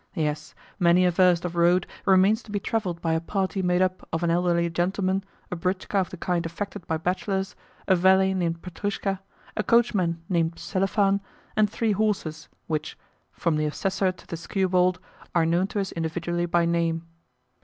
Yes, many a verst of road remains to be travelled by a party made up of an elderly gentleman, a britchka of the kind affected by bachelors, a valet named Petrushka, a coachman named Selifan, and three horses which, from the Assessor to the skewbald, are known to us individually by name.